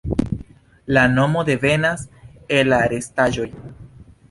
La nomo devenas el la restaĵoj.